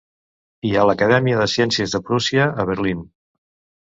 I a l'Acadèmia de Ciències de Prússia, a Berlín.